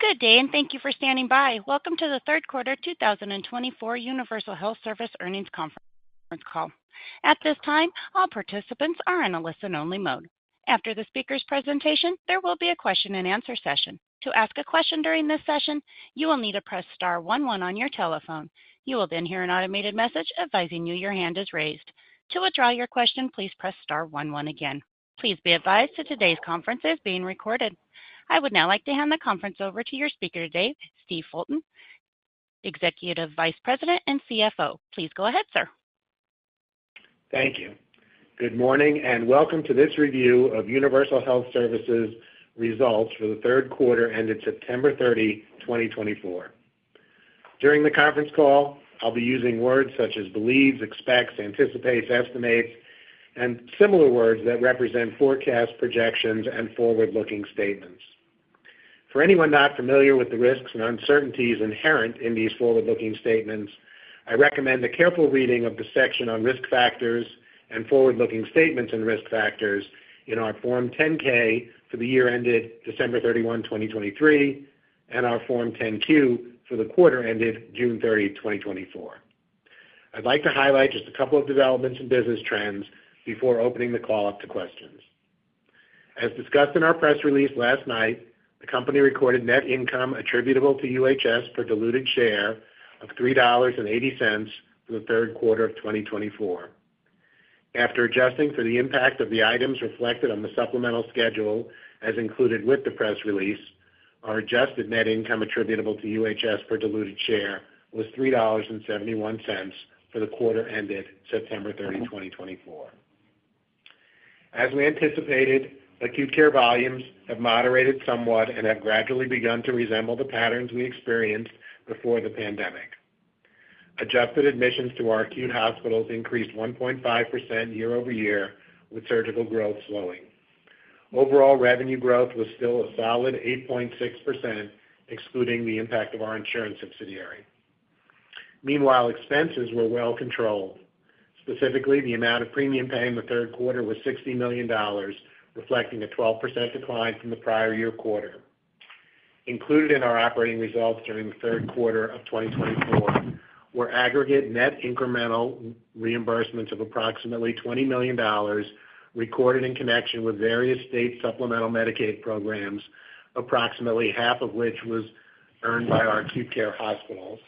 Good day, and thank you for standing by. Welcome to the third quarter 2024 Universal Health Services Earnings Conference Call. At this time, all participants are in a listen-only mode. After the speaker's presentation, there will be a question-and-answer session. To ask a question during this session, you will need to press star one one on your telephone. You will then hear an automated message advising you your hand is raised. To withdraw your question, please press star one one again. Please be advised that today's conference is being recorded. I would now like to hand the conference over to your speaker today, Steve Filton, Executive Vice President and CFO. Please go ahead, sir. Thank you. Good morning, and welcome to this review of Universal Health Services results for the third quarter ended September 30, 2024. During the conference call, I'll be using words such as believes, expects, anticipates, estimates, and similar words that represent forecast projections and forward-looking statements. For anyone not familiar with the risks and uncertainties inherent in these forward-looking statements, I recommend a careful reading of the section on Risk Factors and Forward-Looking Statements and Risk Factors in our Form 10-K for the year ended December 31, 2023, and our Form 10-Q for the quarter ended June 30, 2024. I'd like to highlight just a couple of developments and business trends before opening the call up to questions. As discussed in our press release last night, the company recorded net income attributable to UHS per diluted share of $3.80 for the third quarter of 2024. After adjusting for the impact of the items reflected on the supplemental schedule, as included with the press release, our adjusted net income attributable to UHS per diluted share was $3.71 for the quarter ended September 30, 2024. As we anticipated, acute care volumes have moderated somewhat and have gradually begun to resemble the patterns we experienced before the pandemic. Adjusted admissions to our acute hospitals increased 1.5% year-over-year, with surgical growth slowing. Overall revenue growth was still a solid 8.6%, excluding the impact of our insurance subsidiary. Meanwhile, expenses were well controlled. Specifically, the amount of premium paid in the third quarter was $60 million, reflecting a 12% decline from the prior year quarter. Included in our operating results during the third quarter of 2024 were aggregate net incremental reimbursements of approximately $20 million, recorded in connection with various state supplemental Medicaid programs, approximately half of which was earned by our acute care hospitals.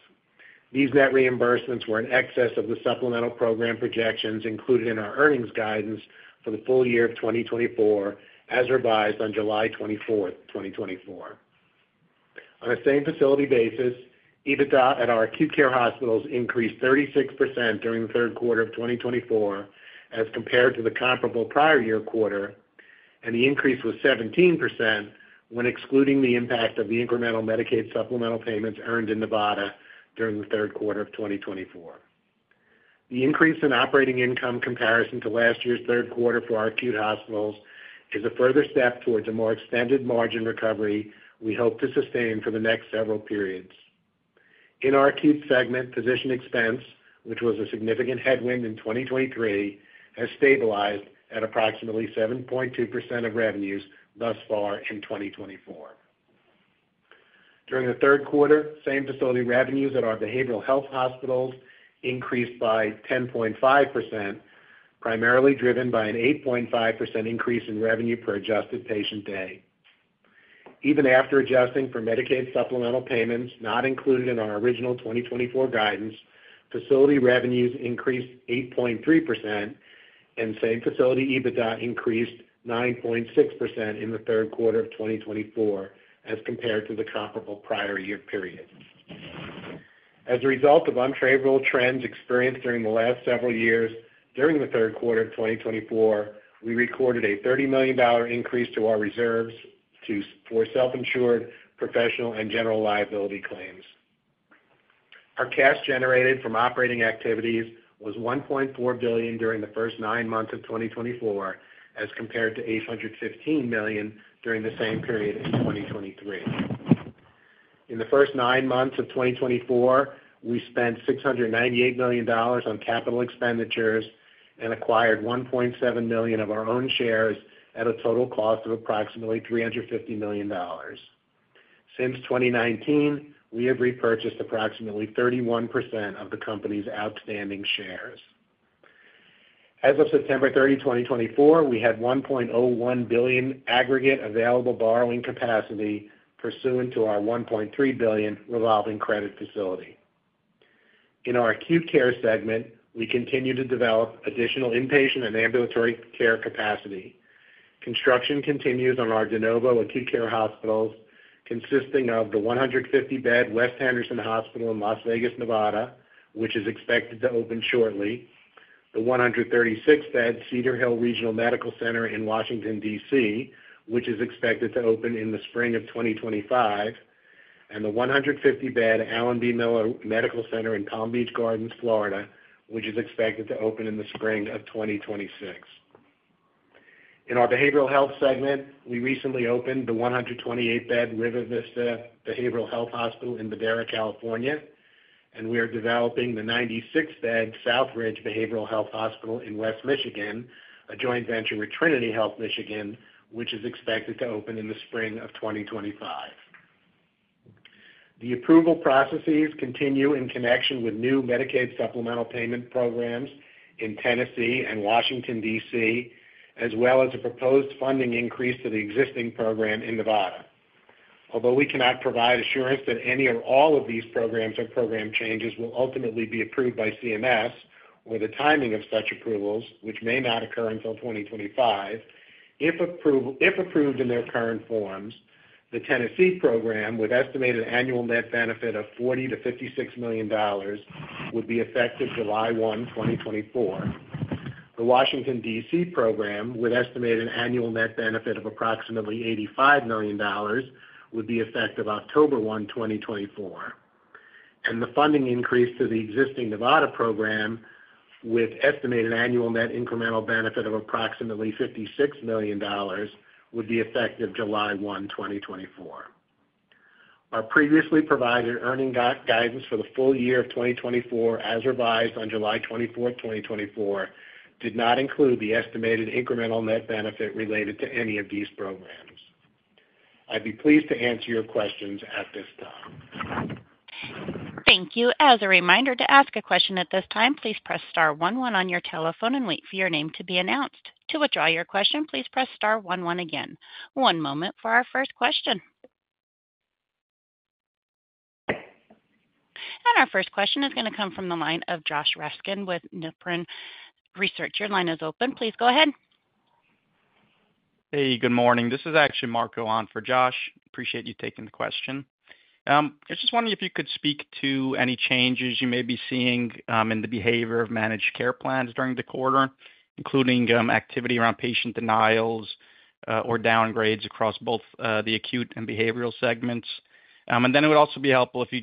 These net reimbursements were in excess of the supplemental program projections included in our earnings guidance for the full year of 2024, as revised on July 24, 2024. On a same facility basis, EBITDA at our acute care hospitals increased 36% during the third quarter of 2024 as compared to the comparable prior year quarter, and the increase was 17% when excluding the impact of the Medicaid supplemental payments earned in Nevada during the third quarter of 2024. The increase in operating income comparison to last year's third quarter for our acute hospitals is a further step towards a more extended margin recovery we hope to sustain for the next several periods. In our acute segment, physician expense, which was a significant headwind in 2023, has stabilized at approximately 7.2% of revenues thus far in 2024. During the third quarter, same facility revenues at our Behavioral Health hospitals increased by 10.5%, primarily driven by an 8.5% increase in revenue per adjusted patient day. Even after adjusting Medicaid supplemental payments not included in our original 2024 guidance, facility revenues increased 8.3% and same facility EBITDA increased 9.6% in the third quarter of 2024 as compared to the comparable prior year period. As a result of unfavorable trends experienced during the last several years, during the third quarter of 2024, we recorded a $30 million increase to our reserves for self-insured professional and general liability claims. Our cash generated from operating activities was $1.4 billion during the first nine months of 2024, as compared to $815 million during the same period in 2023. In the first nine months of 2024, we spent $698 million on capital expenditures and acquired 1.7 million of our own shares at a total cost of approximately $350 million. Since 2019, we have repurchased approximately 31% of the company's outstanding shares. As of September 30, 2024, we had $1.01 billion aggregate available borrowing capacity pursuant to our $1.3 billion revolving credit facility. In our acute care segment, we continue to develop additional inpatient and ambulatory care capacity. Construction continues on our de novo acute care hospitals, consisting of the one hundred and 50 bed West Henderson Hospital in Las Vegas, Nevada, which is expected to open shortly, the 136 bed Cedar Hill Regional Medical Center in Washington, D.C., which is expected to open in the spring of 2025, and the 150 bed Alan B. Miller Medical Center in Palm Beach Gardens, Florida, which is expected to open in the spring of 2026. In our Behavioral Health segment, we recently opened the 128 bed River Vista Behavioral Health Hospital in Madera, California, and we are developing the 96 bed Southridge Behavioral Health Hospital in West Michigan, a joint venture with Trinity Health Michigan, which is expected to open in the spring of 2025. The approval processes continue in connection with new Medicaid supplemental payment programs in Tennessee and Washington, D.C., as well as a proposed funding increase to the existing program in Nevada. Although we cannot provide assurance that any or all of these programs or program changes will ultimately be approved by CMS or the timing of such approvals, which may not occur until 2025, if approved in their current forms, the Tennessee program, with estimated annual net benefit of $40 million-$56 million, would be effective July 1, 2024. The Washington, D.C. program, with estimated annual net benefit of approximately $85 million, would be effective October 1, 2024, and the funding increase to the existing Nevada program, with estimated annual net incremental benefit of approximately $56 million, would be effective July 1, 2024. Our previously provided earnings guidance for the full year of 2024, as revised on July 24, 2024, did not include the estimated incremental net benefit related to any of these programs. I'd be pleased to answer your questions at this time. Thank you. As a reminder to ask a question at this time, please press star one one on your telephone and wait for your name to be announced. To withdraw your question, please press star one one again. One moment for our first question. And our first question is going to come from the line of Josh Raskin with Nephron Research. Your line is open. Please go ahead. Hey, good morning. This is actually Marco on for Josh. Appreciate you taking the question. I was just wondering if you could speak to any changes you may be seeing in the behavior of managed care plans during the quarter, including activity around patient denials or downgrades across both the acute and behavioral segments. Then it would also be helpful if you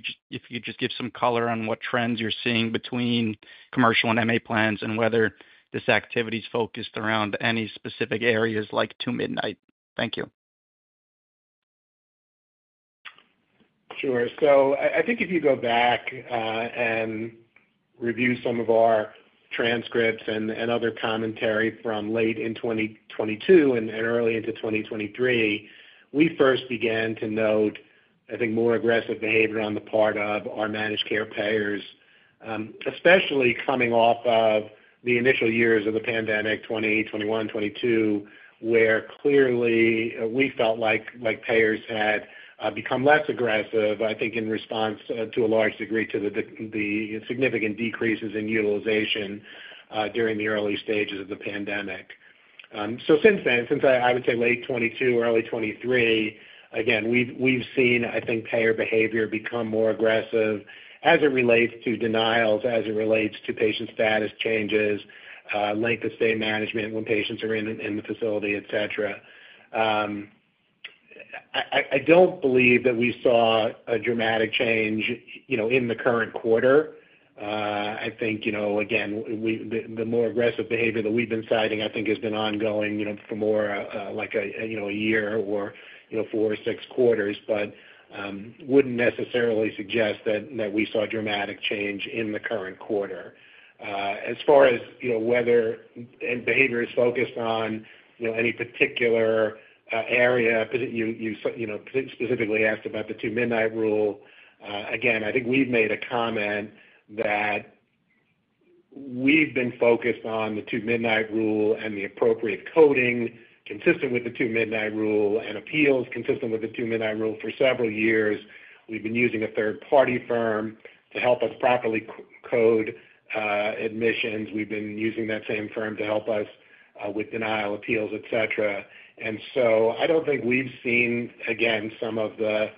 could just give some color on what trends you're seeing between commercial and MA plans and whether this activity is focused around any specific areas like Two-Midnight. Thank you. Sure. So I think if you go back and review some of our transcripts and other commentary from late in 2022 and early into 2023, we first began to note, I think, more aggressive behavior on the part of our managed care payers, especially coming off of the initial years of the pandemic, 2021, 2022, where clearly we felt like payers had become less aggressive, I think, in response to a large degree to the significant decreases in utilization during the early stages of the pandemic. So since then, since I would say late 2022 or early 2023, again, we've seen, I think, payer behavior become more aggressive as it relates to denials, as it relates to patient status changes, length of stay management when patients are in the facility, et cetera. I don't believe that we saw a dramatic change, you know, in the current quarter. I think, you know, again, the more aggressive behavior that we've been citing, I think, has been ongoing, you know, for more like a year or four or six quarters. But wouldn't necessarily suggest that we saw a dramatic change in the current quarter. As far as, you know, whether our behavior is focused on, you know, any particular area, you know, specifically asked about the Two-Midnight Rule. Again, I think we've made a comment that we've been focused on the Two-Midnight Rule and the appropriate coding consistent with the Two-Midnight Rule, and appeals consistent with the Two-Midnight Rule for several years. We've been using a third-party firm to help us properly code admissions. We've been using that same firm to help us with denial appeals, et cetera. And so I don't think we've seen, again, some of the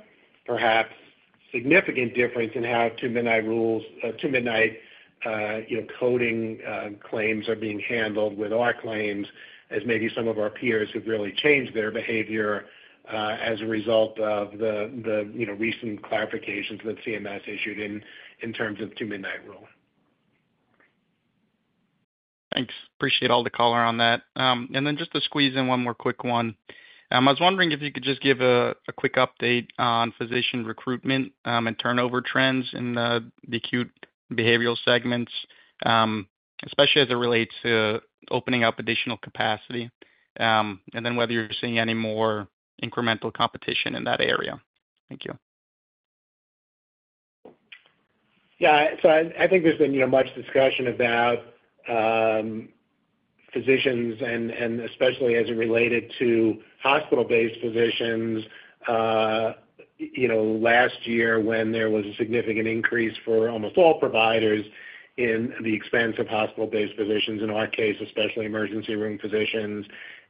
perhaps significant difference in how the Two-Midnight rules, Two-Midnight, you know, coding, claims are being handled with our claims, as maybe some of our peers have really changed their behavior, as a result of the you know, recent clarifications that CMS issued in terms of Two-Midnight Rule. Thanks. Appreciate all the color on that. And then just to squeeze in one more quick one. I was wondering if you could just give a quick update on physician recruitment, and turnover trends in the acute and behavioral segments, especially as it relates to opening up additional capacity, and then whether you're seeing any more incremental competition in that area. Thank you. Yeah, so I think there's been, you know, much discussion about, physicians and especially as it related to hospital-based physicians. You know, last year, when there was a significant increase for almost all providers in the expense of hospital-based physicians, in our case, especially emergency room physicians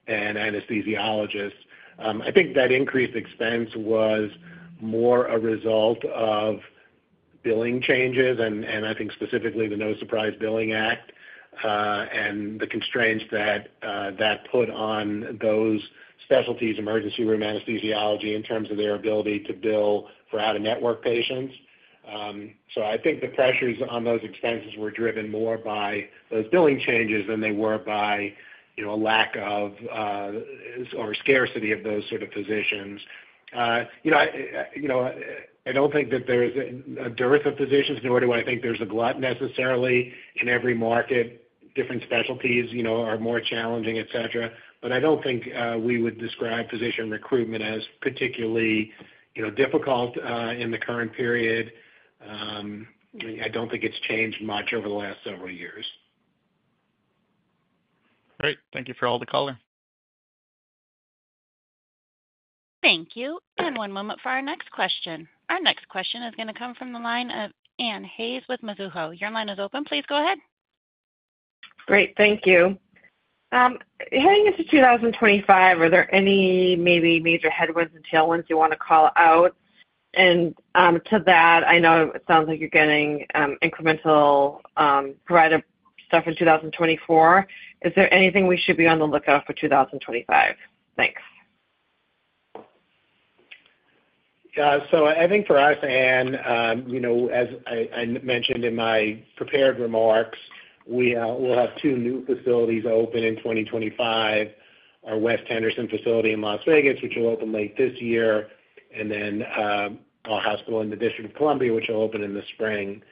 and anesthesiologists. I think that increased expense was more a result of billing changes, and I think specifically the No Surprises Billing Act, and the constraints that that put on those specialties, emergency room anesthesiology, in terms of their ability to bill for out-of-network patients. So I think the pressures on those expenses were driven more by those billing changes than they were by, you know, a lack of, or scarcity of those sort of physicians. You know, I don't think that there's a dearth of physicians, nor do I think there's a glut necessarily in every market. Different specialties, you know, are more challenging, et cetera, but I don't think we would describe physician recruitment as particularly, you know, difficult in the current period. I don't think it's changed much over the last several years. Great. Thank you for all the color. Thank you, and one moment for our next question. Our next question is going to come from the line of Ann Hynes with Mizuho. Your line is open. Please go ahead. Great, thank you. Heading into 2025, are there any maybe major headwinds and tailwinds you want to call out? And, to that, I know it sounds like you're getting, incremental, provider stuff in 2024. Is there anything we should be on the lookout for 2025? Thanks. So I think for us, Anne, you know, as I mentioned in my prepared remarks, we will have two new facilities open in 2025, our West Henderson facility in Las Vegas, which will open late this year, and then our hospital in the District of Columbia, which will open in the spring.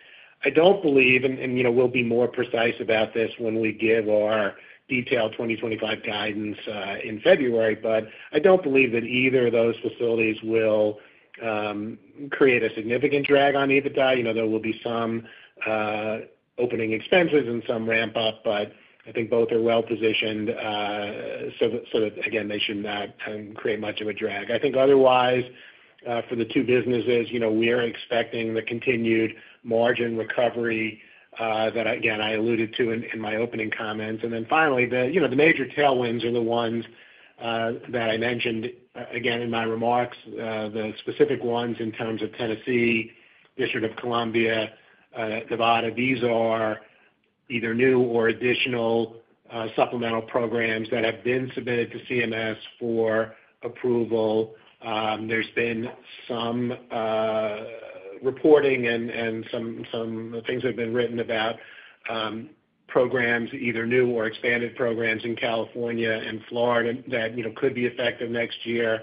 I don't believe, and you know, we will be more precise about this when we give our detailed 2025 guidance in February, but I don't believe that either of those facilities will create a significant drag on EBITDA. You know, there will be some opening expenses and some ramp up, but I think both are well positioned, so that, again, they should not create much of a drag. I think otherwise, for the two businesses, you know, we are expecting the continued margin recovery that again, I alluded to in my opening comments. And then finally, you know, the major tailwinds are the ones that I mentioned again in my remarks, the specific ones in terms of Tennessee, District of Columbia, Nevada. These are either new or additional supplemental programs that have been submitted to CMS for approval. There's been some reporting and some things that have been written about programs, either new or expanded programs in California and Florida that, you know, could be effective next year.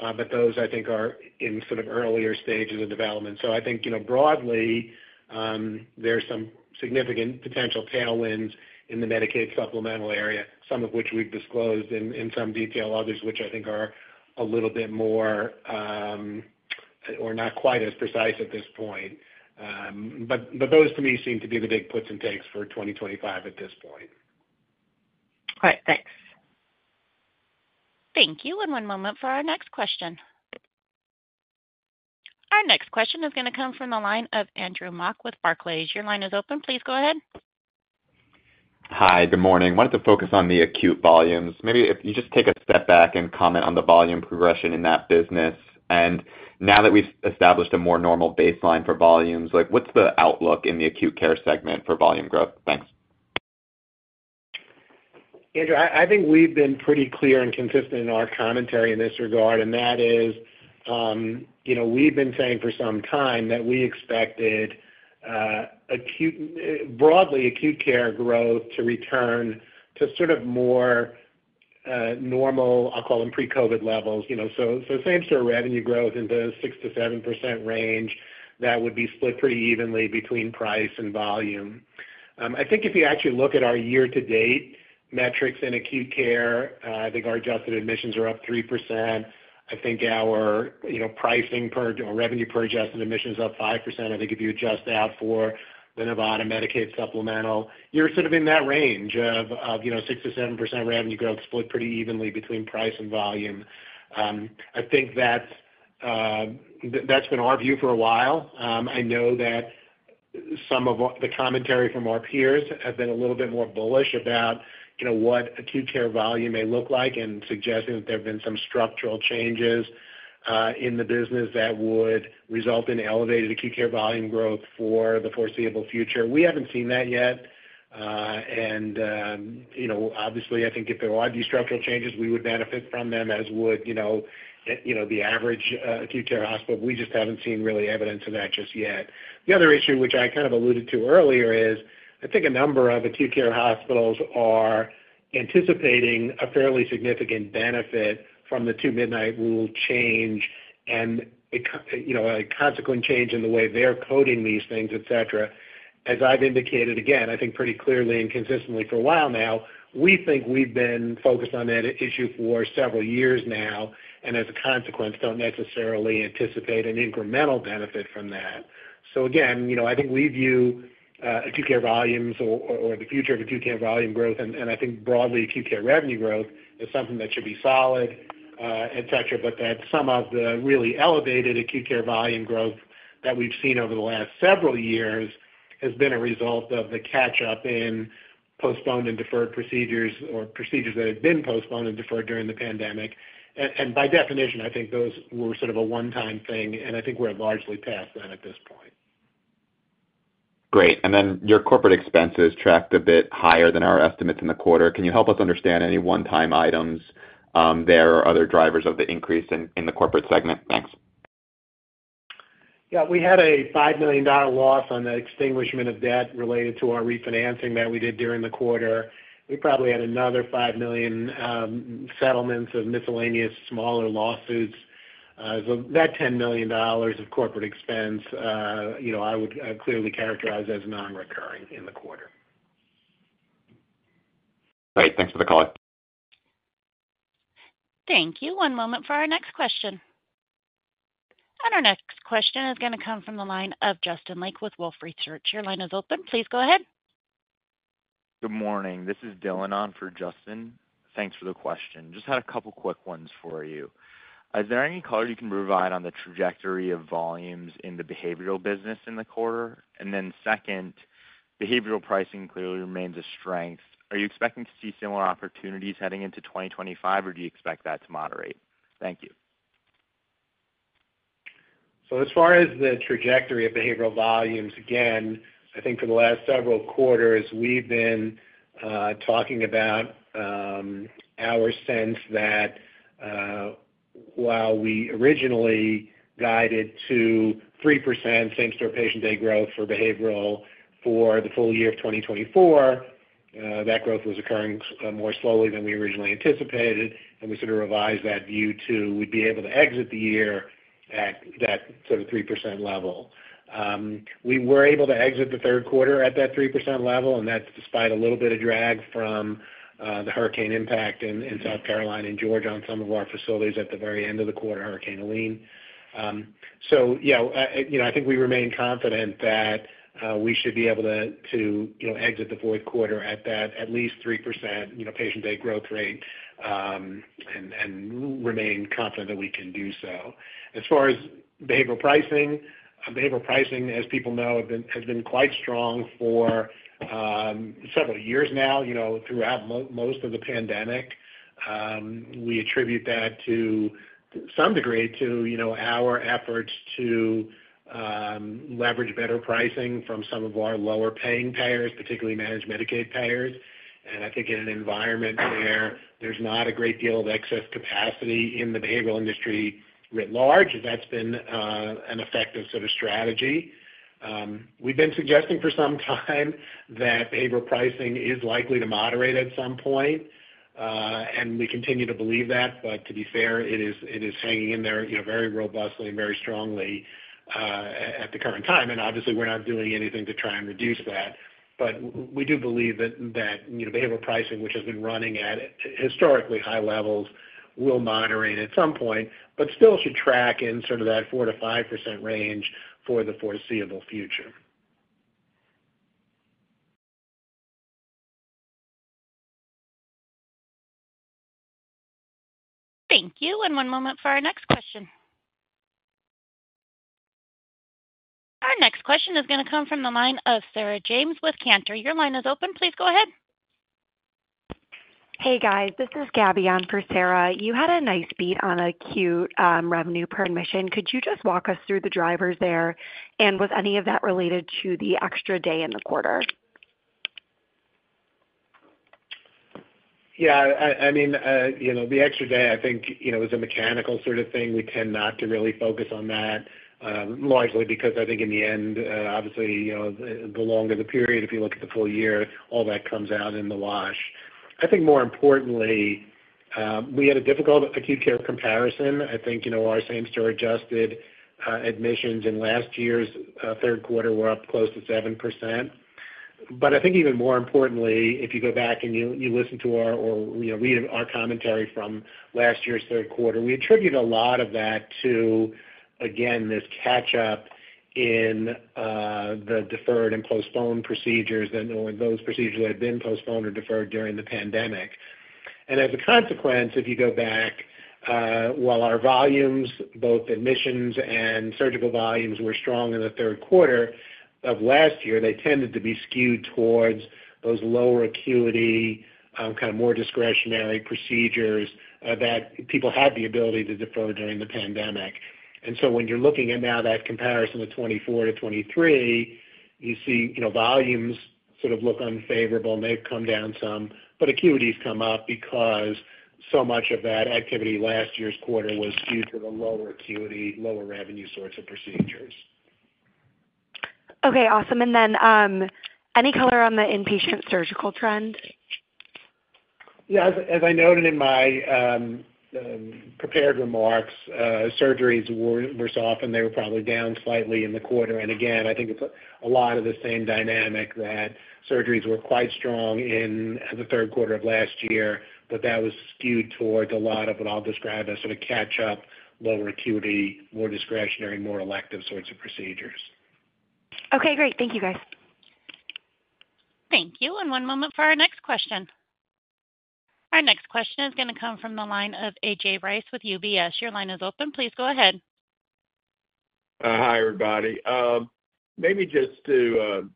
But those, I think, are in sort of earlier stages of development. So I think, you know, broadly, there's some significant potential tailwinds in the Medicaid supplemental area, some of which we've disclosed in some detail, others which I think are a little bit more or not quite as precise at this point. But those to me seem to be the big puts and takes for 2025 at this point. All right, thanks. Thank you, and one moment for our next question. Our next question is going to come from the line of Andrew Mok with Barclays. Your line is open. Please go ahead. Hi, good morning. I wanted to focus on the acute volumes. Maybe if you just take a step back and comment on the volume progression in that business, and now that we've established a more normal baseline for volumes, like, what's the outlook in the acute care segment for volume growth? Thanks. Andrew, I think we've been pretty clear and consistent in our commentary in this regard, and that is, you know, we've been saying for some time that we expected, broadly acute care growth to return to sort of more, normal, I'll call them pre-COVID levels. You know, so same store revenue growth in the 6%-7% range, that would be split pretty evenly between price and volume. I think if you actually look at our year-to-date metrics in acute care, I think our adjusted admissions are up 3%. I think our, you know, pricing per, or revenue per adjusted admissions is up 5%. I think if you adjust out for the Nevada Medicaid supplemental, you're sort of in that range of, you know, 6%-7% revenue growth split pretty evenly between price and volume. I think that's that's been our view for a while. I know that some of the commentary from our peers has been a little bit more bullish about, you know, what acute care volume may look like, and suggesting that there have been some structural changes in the business that would result in elevated acute care volume growth for the foreseeable future. We haven't seen that yet. And, you know, obviously, I think if there are these structural changes, we would benefit from them, as would, you know, you know, the average acute care hospital. We just haven't seen really evidence of that just yet. The other issue, which I kind of alluded to earlier, is I think a number of acute care hospitals are anticipating a fairly significant benefit from the Two-Midnight Rule change and, you know, a consequent change in the way they're coding these things, et cetera. As I've indicated, again, I think pretty clearly and consistently for a while now, we think we've been focused on that issue for several years now, and as a consequence, don't necessarily anticipate an incremental benefit from that. So again, you know, I think we view acute care volumes or the future of acute care volume growth, and I think broadly, acute care revenue growth is something that should be solid, et cetera, but that some of the really elevated acute care volume growth that we've seen over the last several years has been a result of the catch up in postponed and deferred procedures or procedures that had been postponed and deferred during the pandemic. And by definition, I think those were sort of a one-time thing, and I think we're largely past that at this point. Great. And then your corporate expenses tracked a bit higher than our estimates in the quarter. Can you help us understand any one-time items, there or other drivers of the increase in the corporate segment? Thanks. Yeah, we had a $5 million loss on the extinguishment of debt related to our refinancing that we did during the quarter. We probably had another $5 million, settlements of miscellaneous smaller lawsuits. So that $10 million of corporate expense, you know, I would clearly characterize as nonrecurring in the quarter. Great, thanks for the call. Thank you. One moment for our next question. And our next question is gonna come from the line of Justin Lake with Wolfe Research. Your line is open. Please go ahead. Good morning. This is Dylan on for Justin. Thanks for the question. Just had a couple quick ones for you. Is there any color you can provide on the trajectory of volumes in the behavioral business in the quarter? And then second, behavioral pricing clearly remains a strength. Are you expecting to see similar opportunities heading into 2025, or do you expect that to moderate? Thank you. So as far as the trajectory of behavioral volumes, again, I think for the last several quarters, we've been talking about our sense that while we originally guided to 3% same-store patient day growth for behavioral for the full year of 2024, that growth was occurring more slowly than we originally anticipated, and we sort of revised that view to we'd be able to exit the year at that sort of 3% level. We were able to exit the third quarter at that 3% level, and that's despite a little bit of drag from the hurricane impact in South Carolina and Georgia on some of our facilities at the very end of the quarter, Hurricane Helene. So, yeah, you know, I think we remain confident that we should be able to you know, exit the fourth quarter at least 3% you know, patient day growth rate and remain confident that we can do so. As far as behavioral pricing, as people know, has been quite strong for several years now, you know, throughout most of the pandemic. We attribute that to some degree to you know, our efforts to leverage better pricing from some of our lower-paying payers, particularly managed Medicaid payers, and I think in an environment where there's not a great deal of excess capacity in the behavioral industry writ large, that's been an effective sort of strategy. We've been suggesting for some time that behavioral pricing is likely to moderate at some point, and we continue to believe that, but to be fair, it is hanging in there, you know, very robustly and very strongly at the current time, and obviously, we're not doing anything to try and reduce that. But we do believe that, you know, behavioral pricing, which has been running at historically high levels, will moderate at some point, but still should track in sort of that 4%-5% range for the foreseeable future. Thank you. And one moment for our next question. Our next question is gonna come from the line of Sarah James with Cantor. Your line is open. Please go ahead. Hey, guys, this is Gabby on for Sarah. You had a nice beat on acute revenue per admission. Could you just walk us through the drivers there, and was any of that related to the extra day in the quarter? Yeah, I mean, you know, the extra day, I think, you know, is a mechanical sort of thing. We tend not to really focus on that, largely because I think in the end, obviously, you know, the longer the period, if you look at the full year, all that comes out in the wash. I think more importantly, we had a difficult acute care comparison. I think, you know, our same-store adjusted admissions in last year's third quarter were up close to 7%. But I think even more importantly, if you go back and you listen to our or, you know, read our commentary from last year's third quarter, we attributed a lot of that to, again, this catch-up in the deferred and postponed procedures, and when those procedures had been postponed or deferred during the pandemic. As a consequence, if you go back, while our volumes, both admissions and surgical volumes, were strong in the third quarter of last year, they tended to be skewed towards those lower acuity, kind of more discretionary procedures, that people had the ability to defer during the pandemic. So when you're looking at now that comparison with 2024 to 2023, you see, you know, volumes sort of look unfavorable, and they've come down some, but acuity's come up because so much of that activity last year's quarter was skewed to the lower acuity, lower revenue sorts of procedures. Okay, awesome. And then, any color on the inpatient surgical trend? Yeah, as I noted in my prepared remarks, surgeries were soft, and they were probably down slightly in the quarter. And again, I think it's a lot of the same dynamic that surgeries were quite strong in the third quarter of last year, but that was skewed towards a lot of what I'll describe as sort of catch-up, lower acuity, more discretionary, more elective sorts of procedures. Okay, great. Thank you, guys. Thank you. And one moment for our next question. Our next question is gonna come from the line of A.J. Rice with UBS. Your line is open. Please go ahead. Hi, everybody. Maybe just to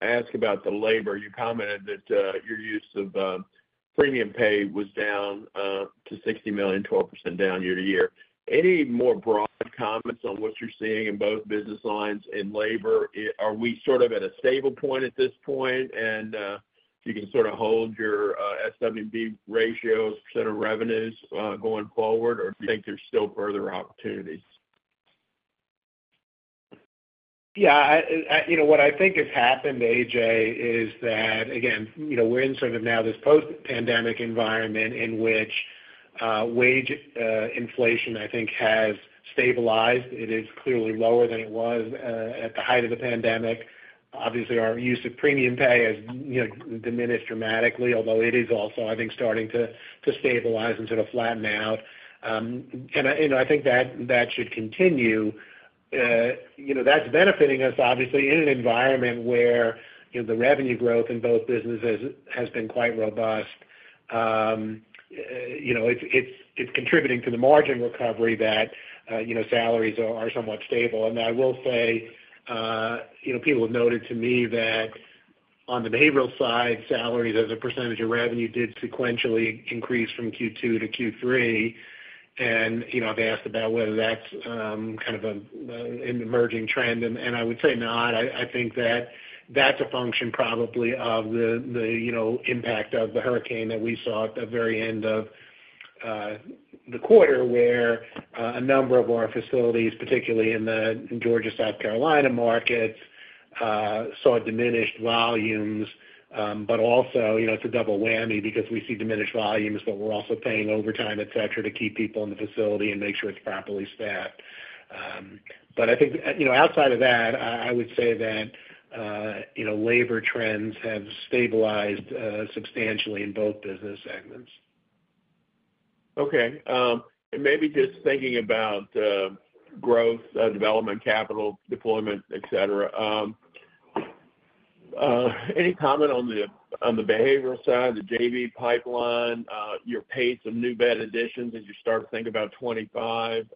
ask about the labor. You commented that your use of premium pay was down to $60 million, 12% down year-to-year. Any more broad comments on what you're seeing in both business lines in labor? Are we sort of at a stable point at this point, and you can sort of hold your SWB ratios, set of revenues going forward, or do you think there's still further opportunities? Yeah, you know, what I think has happened, A.J., is that, again, you know, we're in sort of now this post-pandemic environment in which wage inflation, I think, has stabilized. It is clearly lower than it was at the height of the pandemic. Obviously, our use of premium pay has, you know, diminished dramatically, although it is also, I think, starting to stabilize and sort of flatten out. And I, you know, I think that should continue. You know, that's benefiting us, obviously, in an environment where, you know, the revenue growth in both businesses has been quite robust. You know, it's contributing to the margin recovery that, you know, salaries are somewhat stable. I will say, you know, people have noted to me that on the behavioral side, salaries as a percentage of revenue did sequentially increase from Q2 to Q3, and, you know, they asked about whether that's an emerging trend, and I would say not. I think that that's a function probably of the, you know, impact of the hurricane that we saw at the very end of the quarter, where a number of our facilities, particularly in the Georgia, South Carolina markets, saw diminished volumes. But also, you know, it's a double whammy because we see diminished volumes, but we're also paying overtime, et cetera, to keep people in the facility and make sure it's properly staffed. But I think, you know, outside of that, I would say that, you know, labor trends have stabilized substantially in both business segments. Okay, and maybe just thinking about growth, development, capital deployment, et cetera. Any comment on the behavioral side, the JV pipeline, your pace of new bed additions as you start to think about 2025?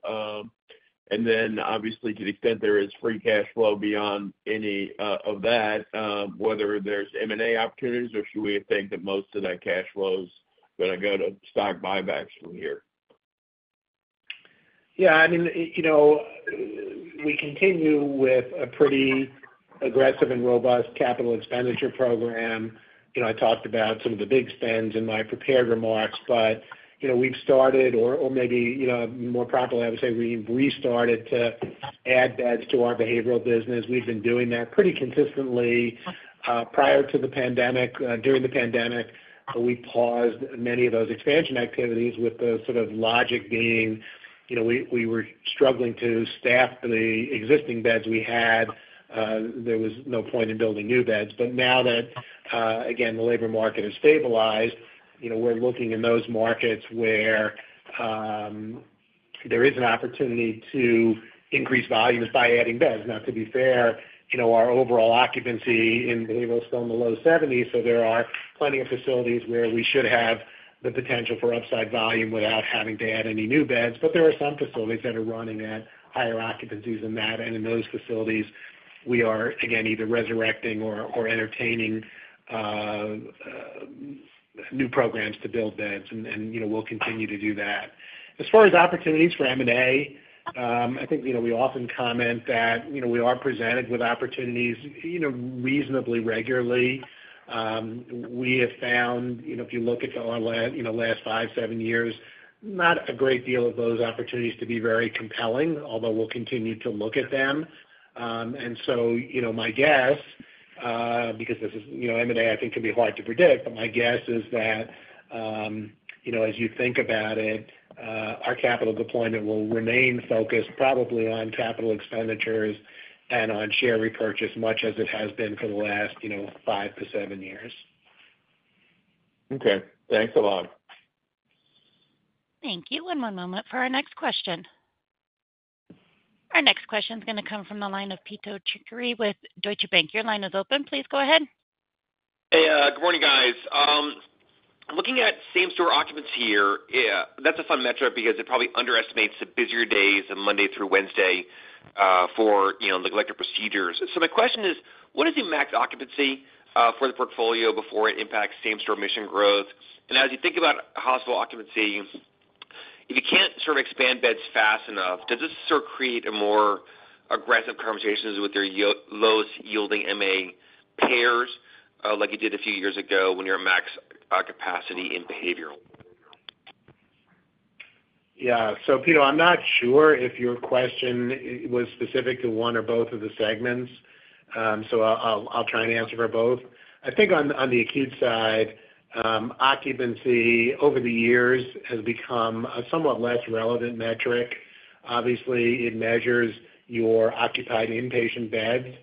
And then obviously, to the extent there is free cash flow beyond any of that, whether there's M&A opportunities, or should we think that most of that cash flow is gonna go to stock buybacks from here? Yeah, I mean, you know, we continue with a pretty aggressive and robust capital expenditure program. You know, I talked about some of the big spends in my prepared remarks, but, you know, we've started, or maybe, you know, more properly, I would say we've restarted to add beds to our behavioral business. We've been doing that pretty consistently prior to the pandemic. During the pandemic, we paused many of those expansion activities, with the sort of logic being, you know, we were struggling to staff the existing beds we had. There was no point in building new beds. But now that, again, the labor market has stabilized, you know, we're looking in those markets where there is an opportunity to increase volumes by adding beds. Now, to be fair, you know, our overall occupancy in behavioral is still in the low seventies, so there are plenty of facilities where we should have the potential for upside volume without having to add any new beds. But there are some facilities that are running at higher occupancies than that, and in those facilities, we are, again, either resurrecting or entertaining new programs to build beds, and, you know, we'll continue to do that. As far as opportunities for M&A, I think, you know, we often comment that, you know, we are presented with opportunities, you know, reasonably regularly. We have found, you know, if you look at our last five, seven years, not a great deal of those opportunities to be very compelling, although we'll continue to look at them. And so, you know, my guess, because this is, you know, M&A, I think can be hard to predict, but my guess is that, you know, as you think about it, our capital deployment will remain focused probably on capital expenditures and on share repurchase, much as it has been for the last, you know, five to seven years. Okay. Thanks a lot. Thank you. One more moment for our next question. Our next question is gonna come from the line of Pito Chickering with Deutsche Bank. Your line is open. Please go ahead. Hey, good morning, guys. Looking at same store occupancy here, yeah, that's a fun metric because it probably underestimates the busier days of Monday through Wednesday, for you know, elective procedures. So my question is: what is the max occupancy for the portfolio before it impacts same store admission growth? And as you think about hospital occupancy, if you can't sort of expand beds fast enough, does this sort of create a more aggressive conversations with your lowest yielding MA payers, like you did a few years ago, when you were at max capacity in behavioral? Yeah. So, Pito, I'm not sure if your question was specific to one or both of the segments, so I'll try and answer for both. I think on the acute side, occupancy over the years has become a somewhat less relevant metric. Obviously, it measures your occupied inpatient beds.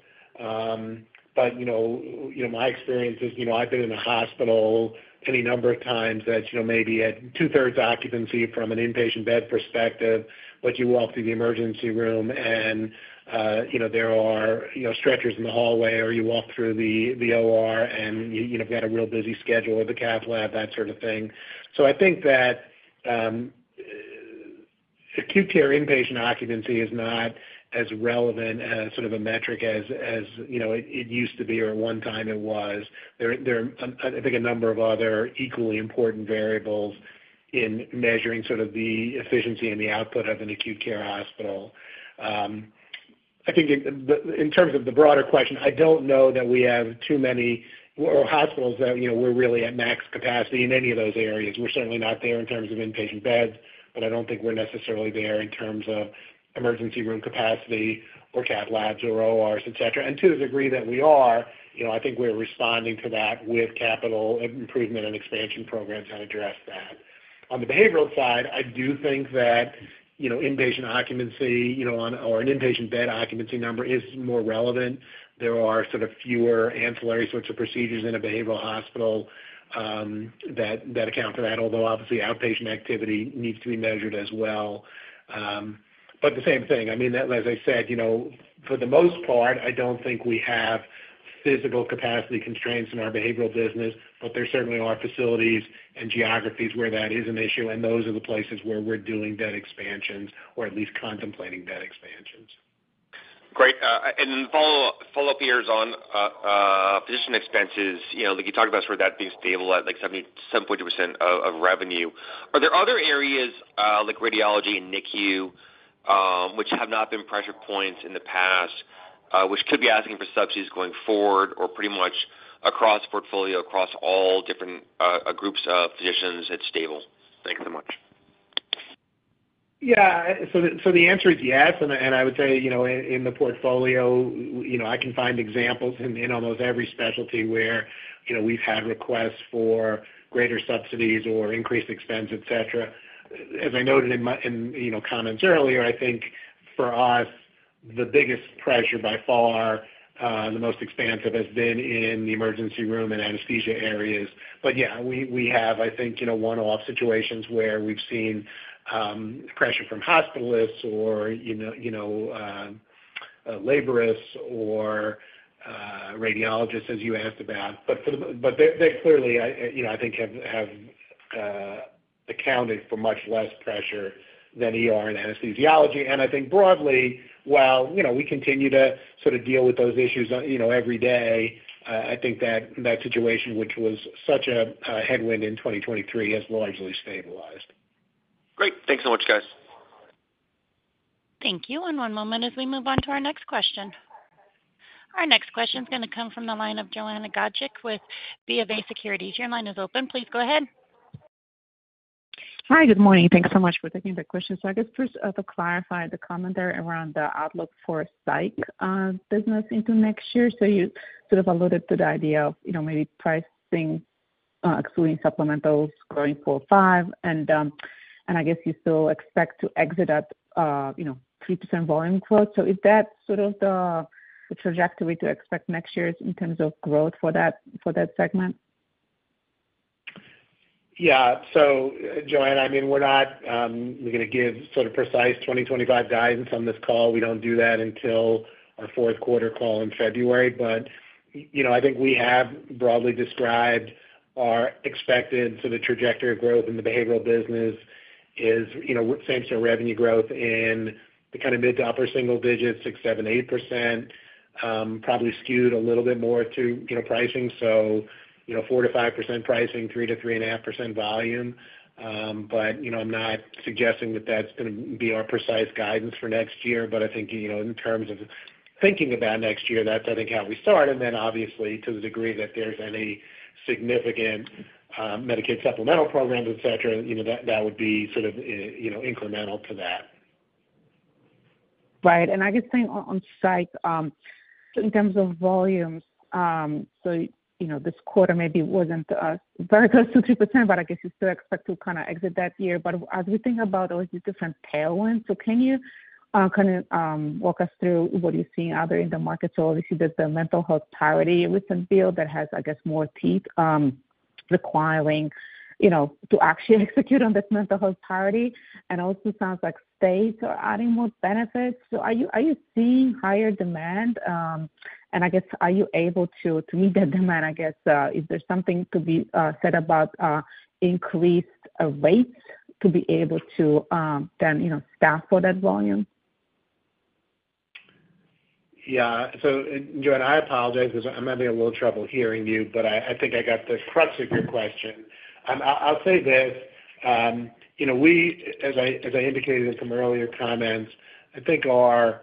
But, you know, my experience is, you know, I've been in a hospital any number of times that, you know, maybe at two-thirds occupancy from an inpatient bed perspective, but you walk through the emergency room and, you know, there are, you know, stretchers in the hallway, or you walk through the OR, and you know, have got a real busy schedule at the Cath Lab, that sort of thing. So I think that acute care inpatient occupancy is not as relevant as sort of a metric as you know it used to be, or at one time it was. There are I think a number of other equally important variables in measuring sort of the efficiency and the output of an acute care hospital. I think in terms of the broader question, I don't know that we have too many hospitals that you know we're really at max capacity in any of those areas. We're certainly not there in terms of inpatient beds, but I don't think we're necessarily there in terms of emergency room capacity or Cath Labs or ORs, et cetera. And to the degree that we are, you know, I think we're responding to that with capital improvement and expansion programs that address that. On the behavioral side, I do think that, you know, inpatient occupancy, you know, or an inpatient bed occupancy number is more relevant. There are sort of fewer ancillary sorts of procedures in a behavioral hospital, that account for that, although obviously, outpatient activity needs to be measured as well. But the same thing, I mean, as I said, you know, for the most part, I don't think we have physical capacity constraints in our behavioral business, but there certainly are facilities and geographies where that is an issue, and those are the places where we're doing bed expansions or at least contemplating bed expansions. Great. And follow up here is on physician expenses. You know, like you talked about where that being stable at like 77.2% of revenue. Are there other areas, like radiology and NICU, which have not been pressure points in the past, which could be asking for subsidies going forward, or pretty much across portfolio, across all different groups of physicians, it's stable? Thanks so much. Yeah, so the answer is yes, and I would say, you know, in the portfolio, you know, I can find examples in almost every specialty where, you know, we've had requests for greater subsidies or increased expense, et cetera. As I noted in my, you know, comments earlier, I think for us, the biggest pressure by far, the most expansive, has been in the emergency room and anesthesia areas. But yeah, we have, I think, you know, one-off situations where we've seen pressure from hospitalists or, you know, laborists or radiologists, as you asked about. But they clearly, you know, I think have accounted for much less pressure than ER and anesthesiology. I think broadly, while, you know, we continue to sort of deal with those issues, you know, every day, I think that situation, which was such a headwind in 2023, has largely stabilized. Great. Thanks so much, guys. Thank you, and one moment as we move on to our next question. Our next question is gonna come from the line of Joanna Gajuk with BofA Securities. Your line is open. Please go ahead. Hi, good morning. Thanks so much for taking the question. So I guess first, to clarify the commentary around the outlook for psych business into next year. So you sort of alluded to the idea of, you know, maybe pricing, excluding supplementals, growing 4% or 5%, and I guess you still expect to exit at, you know, 3% volume growth. So is that sort of the trajectory to expect next year in terms of growth for that segment? Yeah. So Joanna, I mean, we're not gonna give sort of precise 2025 guidance on this call. We don't do that until our fourth quarter call in February. But you know, I think we have broadly described our expected sort of trajectory of growth in the behavioral business is, you know, same store revenue growth in the kind of mid to upper single digits, 6%, 7%, 8%, probably skewed a little bit more to, you know, pricing. So you know, 4%-5% pricing, 3%-3.5% volume. But you know, I'm not suggesting that that's gonna be our precise guidance for next year. But I think, you know, in terms of thinking about next year, that's, I think, how we start. And then, obviously, to the degree that there's any significant Medicaid supplemental programs, et cetera, you know, that would be sort of, you know, incremental to that. Right. And I guess staying on, on psych, in terms of volumes, so, you know, this quarter maybe wasn't very close to 3%, but I guess you still expect to kind of exit that year. But as we think about all these different tailwinds, so can you, kind of, walk us through what you're seeing out there in the market? So obviously, there's the Mental Health Parity with some final rule that has, I guess, more teeth, requiring, you know, to actually execute on this Mental Health Parity, and also sounds like states are adding more benefits. So are you, are you seeing higher demand? And I guess, are you able to meet that demand, I guess, is there something to be said about increased rates to be able to, then, you know, staff for that volume? Yeah. So Joanna, I apologize because I'm having a little trouble hearing you, but I think I got the crux of your question. I'll say this, you know, we, as I indicated in some earlier comments, I think our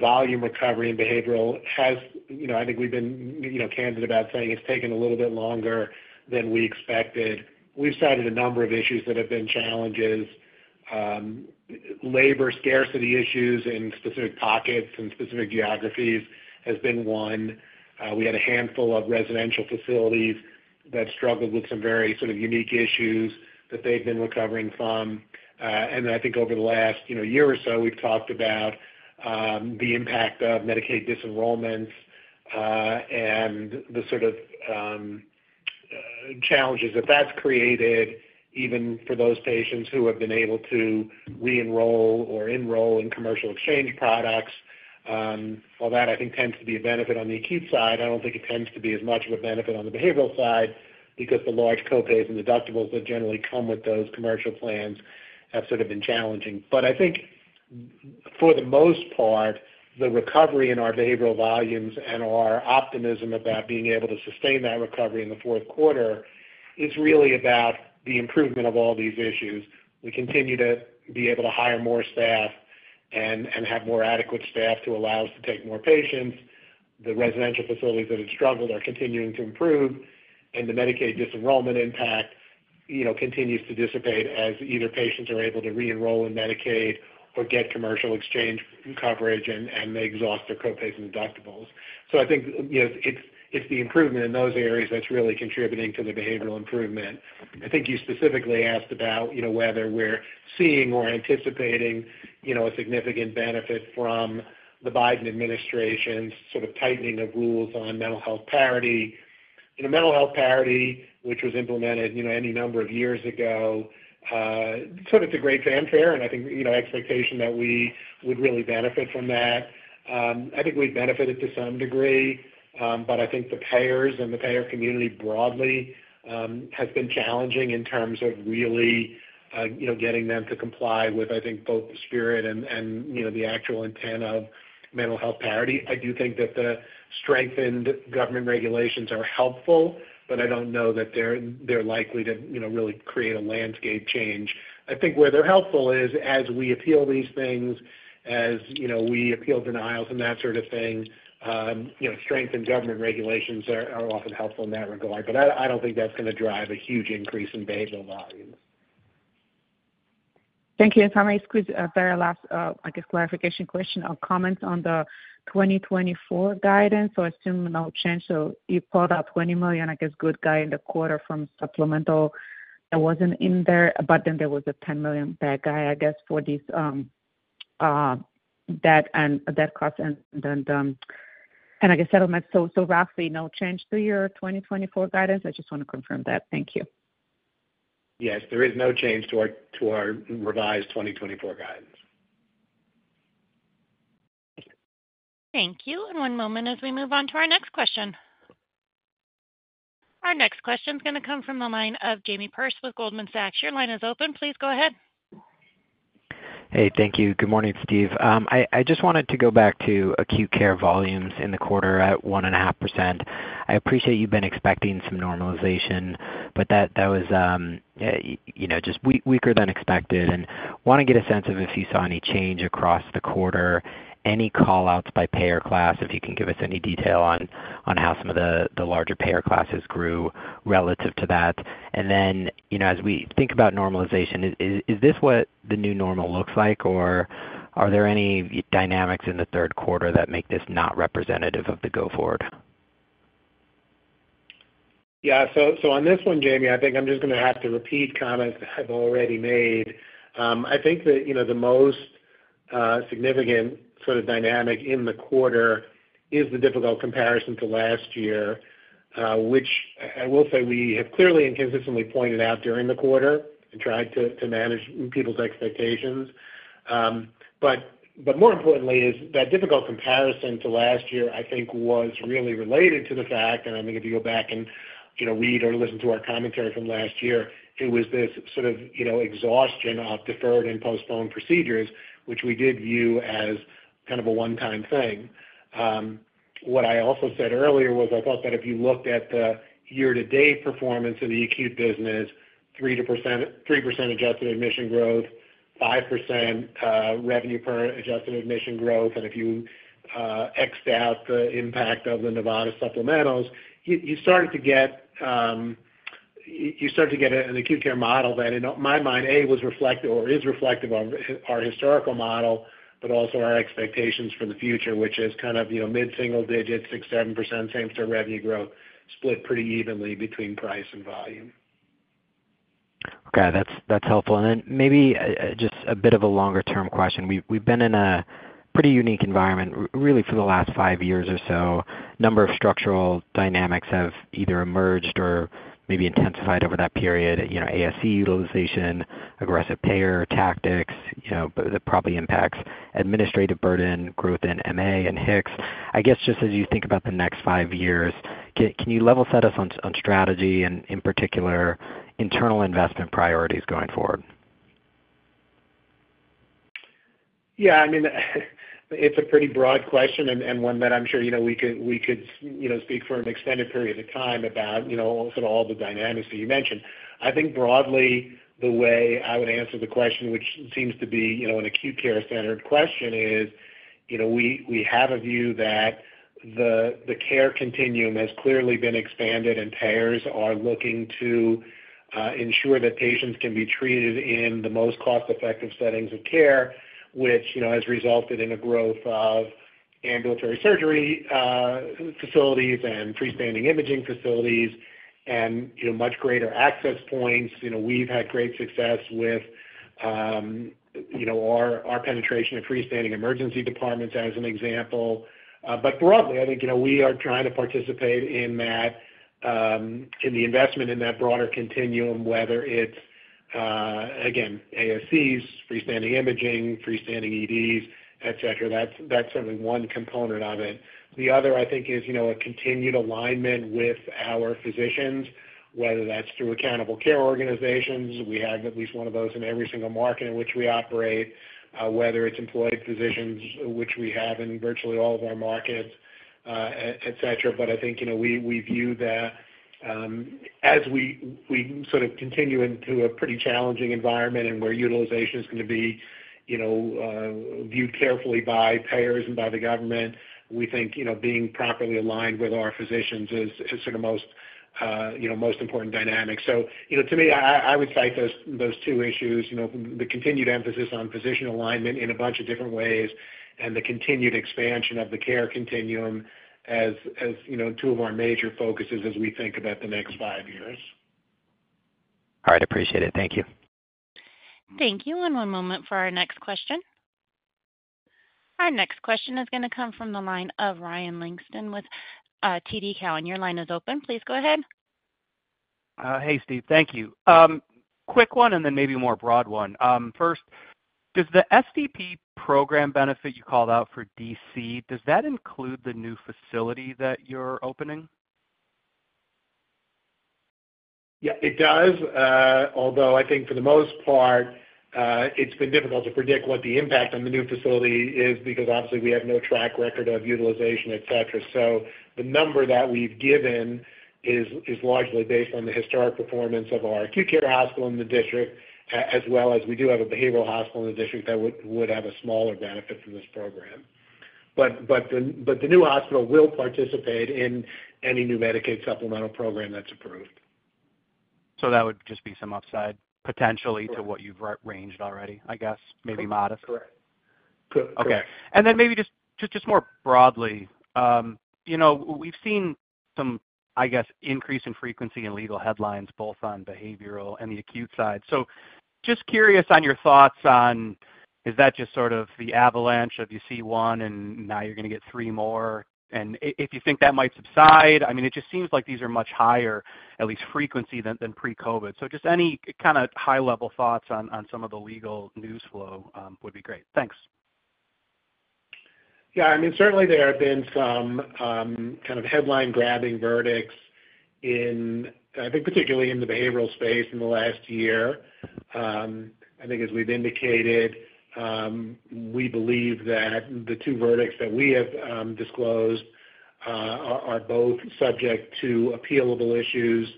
volume recovery and behavioral has, you know, I think we've been candid about saying it's taken a little bit longer than we expected. We've cited a number of issues that have been challenges. Labor scarcity issues in specific pockets and specific geographies has been one. We had a handful of residential facilities that struggled with some very sort of unique issues that they've been recovering from. And I think over the last, you know, year or so, we've talked about the impact of Medicaid disenrollments and the sort of challenges that that's created, even for those patients who have been able to re-enroll or enroll in commercial exchange products. While that, I think, tends to be a benefit on the acute side, I don't think it tends to be as much of a benefit on the behavioral side, because the large co-pays and deductibles that generally come with those commercial plans have sort of been challenging. But I think for the most part, the recovery in our behavioral volumes and our optimism about being able to sustain that recovery in the fourth quarter is really about the improvement of all these issues. We continue to be able to hire more staff and have more adequate staff to allow us to take more patients. The residential facilities that have struggled are continuing to improve, and the Medicaid disenrollment impact, you know, continues to dissipate as either patients are able to reenroll in Medicaid or get commercial exchange coverage, and they exhaust their copays and deductibles. So I think, you know, it's the improvement in those areas that's really contributing to the behavioral improvement. I think you specifically asked about, you know, whether we're seeing or anticipating, you know, a significant benefit from the Biden administration's sort of tightening of rules on Mental Health Parity. You know, Mental Health Parity, which was implemented, you know, any number of years ago, sort of to great fanfare, and I think, you know, expectation that we would really benefit from that. I think we've benefited to some degree, but I think the payers and the payer community broadly has been challenging in terms of really, you know, getting them to comply with, I think, both the spirit and, you know, the actual intent of Mental Health Parity. I do think that the strengthened government regulations are helpful, but I don't know that they're likely to, you know, really create a landscape change. I think where they're helpful is as we appeal these things, you know, we appeal denials and that sort of thing, you know, strengthened government regulations are often helpful in that regard. But I don't think that's gonna drive a huge increase in behavioral volumes. Thank you. And sorry, excuse, very last, I guess, clarification question or comments on the 2024 guidance, so I assume no change. So you called out $20 million, I guess, good guy in the quarter from supplemental that wasn't in there, but then there was a $10 million bad guy, I guess, for this, debt cost and then, and I guess settlements. So roughly no change to your 2024 guidance? I just want to confirm that. Thank you. Yes, there is no change to our revised 2024 guidance. Thank you. Thank you, and one moment as we move on to our next question. Our next question is gonna come from the line of Jamie Perse with Goldman Sachs. Your line is open. Please go ahead. Hey, thank you. Good morning, Steve. I just wanted to go back to acute care volumes in the quarter at 1.5%. I appreciate you've been expecting some normalization, but that was, you know, just weaker than expected, and want to get a sense of if you saw any change across the quarter, any call outs by payer class, if you can give us any detail on how some of the larger payer classes grew relative to that. And then, you know, as we think about normalization, is this what the new normal looks like, or are there any dynamics in the third quarter that make this not representative of the go forward? Yeah, so on this one, Jamie, I think I'm just gonna have to repeat comments I've already made. I think that, you know, the most significant sort of dynamic in the quarter is the difficult comparison to last year, which I will say we have clearly and consistently pointed out during the quarter and tried to manage people's expectations. But more importantly is that difficult comparison to last year, I think, was really related to the fact, and I think if you go back and, you know, read or listen to our commentary from last year, it was this sort of, you know, exhaustion of deferred and postponed procedures, which we did view as kind of a one-time thing. What I also said earlier was I thought that if you looked at the year-to-date performance of the acute business, 3%-4%, 3% adjusted admission growth, 5% revenue per adjusted admission growth, and if you x'd out the impact of the Nevada supplementals, you started to get you start to get an acute care model that in my mind, A, was reflective or is reflective of our historical model, but also our expectations for the future, which is kind of, you know, mid-single digits, 6%-7% same-store revenue growth, split pretty evenly between price and volume. Okay, that's, that's helpful. And then maybe just a bit of a longer-term question. We've been in a pretty unique environment really for the last five years or so. A number of structural dynamics have either emerged or maybe intensified over that period, you know, ASC utilization, aggressive payer tactics, you know, but it probably impacts administrative burden growth in MA and HIX. I guess, just as you think about the next five years, can you level set us on strategy and, in particular, internal investment priorities going forward? Yeah, I mean, it's a pretty broad question and one that I'm sure, you know, we could speak for an extended period of time about, you know, sort of all the dynamics that you mentioned. I think broadly, the way I would answer the question, which seems to be, you know, an acute care-centered question, is, you know, we have a view that the care continuum has clearly been expanded, and payers are looking to ensure that patients can be treated in the most cost-effective settings of care, which, you know, has resulted in a growth of ambulatory surgery facilities and freestanding imaging facilities and, you know, much greater access points. You know, we've had great success with, you know, our penetration of freestanding emergency departments as an example. But broadly, I think, you know, we are trying to participate in that, in the investment in that broader continuum, whether it's, again, ASCs, freestanding imaging, freestanding EDs, et cetera. That's certainly one component of it. The other, I think, is, you know, a continued alignment with our physicians, whether that's through accountable care organizations, we have at least one of those in every single market in which we operate, whether it's employed physicians, which we have in virtually all of our markets, et cetera. But I think, you know, we view that, as we sort of continue into a pretty challenging environment and where utilization is gonna be, you know, viewed carefully by payers and by the government. We think, you know, being properly aligned with our physicians is sort of most important dynamic. So, you know, to me, I would cite those two issues, you know, the continued emphasis on physician alignment in a bunch of different ways, and the continued expansion of the care continuum as you know, two of our major focuses as we think about the next five years. All right, appreciate it. Thank you. Thank you. And one moment for our next question. Our next question is going to come from the line of Ryan Langston with TD Cowen. Your line is open. Please go ahead. Hey, Steve, thank you. Quick one, and then maybe a more broad one. First, does the SDP program benefit you called out for DC, does that include the new facility that you're opening? Yeah, it does. Although I think for the most part, it's been difficult to predict what the impact on the new facility is, because obviously, we have no track record of utilization, et cetera. So the number that we've given is largely based on the historic performance of our acute care hospital in the District, as well as we do have a behavioral hospital in the District that would have a smaller benefit from this program. But the new hospital will participate in any new Medicaid supplemental program that's approved. So that would just be some upside, potentially. Right. to what you've arranged already, I guess, maybe modest? Correct. Correct. Okay. And then maybe just more broadly, you know, we've seen some, I guess, increase in frequency in legal headlines, both on behavioral and the acute side. So just curious on your thoughts on, is that just sort of the avalanche of you see one, and now you're gonna get three more? And if you think that might subside, I mean, it just seems like these are much higher, at least frequency, than pre-COVID. So just any kind of high-level thoughts on some of the legal news flow would be great. Thanks. Yeah, I mean, certainly there have been some kind of headline-grabbing verdicts in, I think, particularly in the behavioral space in the last year. I think as we've indicated, we believe that the two verdicts that we have disclosed are both subject to appealable issues.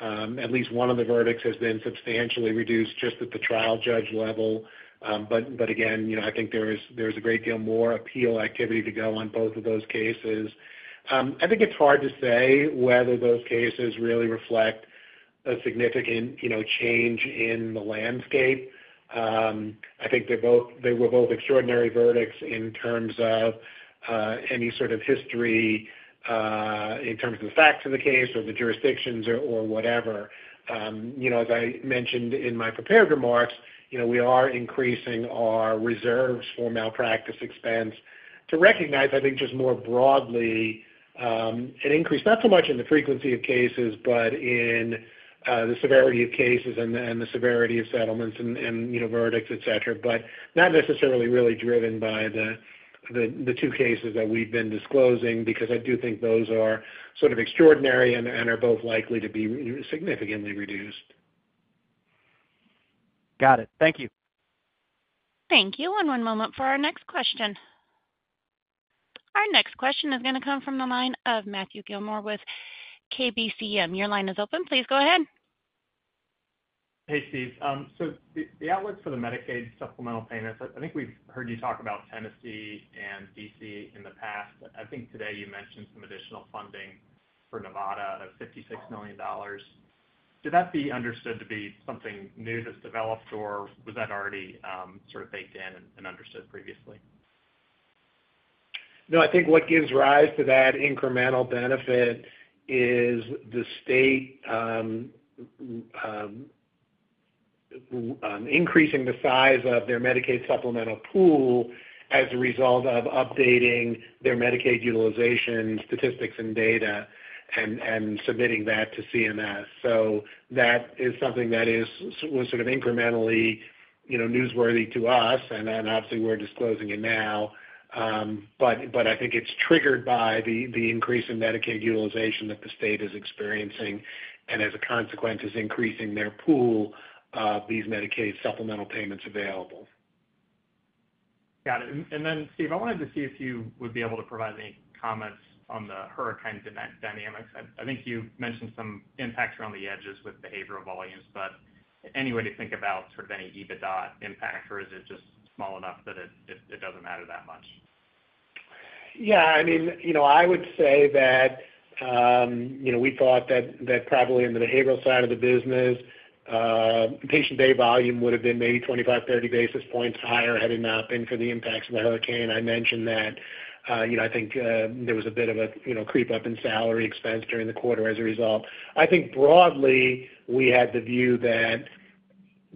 At least one of the verdicts has been substantially reduced just at the trial judge level. But again, you know, I think there is a great deal more appeal activity to go on both of those cases. I think it's hard to say whether those cases really reflect a significant, you know, change in the landscape. I think they were both extraordinary verdicts in terms of any sort of history in terms of the facts of the case or the jurisdictions or whatever. You know, as I mentioned in my prepared remarks, you know, we are increasing our reserves for malpractice expense to recognize, I think, just more broadly, an increase, not so much in the frequency of cases, but in the severity of cases and the severity of settlements and, you know, verdicts, et cetera, but not necessarily really driven by the two cases that we've been disclosing, because I do think those are sort of extraordinary and are both likely to be significantly reduced. Got it. Thank you. Thank you, and one moment for our next question. Our next question is going to come from the line of Matthew Gilmore with KBCM. Your line is open. Please go ahead. Hey, Steve. So the outlook for Medicaid supplemental payments, i think we've heard you talk about Tennessee and DC in the past. I think today you mentioned some additional funding for Nevada of $56 million. Should that be understood to be something new that's developed, or was that already sort of baked in and understood previously? No, I think what gives rise to that incremental benefit is the state, increasing the size of their Medicaid supplemental pool as a result of updating their Medicaid utilization statistics and data and submitting that to CMS. So that is something that was sort of incrementally, you know, newsworthy to us, and then obviously, we're disclosing it now. But I think it's triggered by the increase in Medicaid utilization that the state is experiencing, and as a consequence, is increasing their pool of Medicaid supplemental payments available. Got it. And then, Steve, I wanted to see if you would be able to provide any comments on the hurricane dynamics. I think you mentioned some impacts around the edges with behavioral volumes, but any way to think about sort of any EBITDA impact, or is it just small enough that it doesn't matter that much? Yeah, I mean, you know, I would say that, you know, we thought that probably in the behavioral side of the business, patient day volume would have been maybe 25-30 basis points higher had it not been for the impacts of the hurricane. I mentioned that, you know, I think, there was a bit of a, you know, creep up in salary expense during the quarter as a result. I think broadly, we had the view that